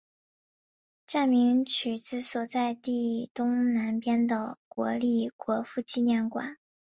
站名取自所在地东南边的国立国父纪念馆。